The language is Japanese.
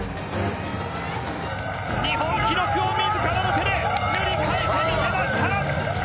日本記録を自らの手で塗り替えてみせました。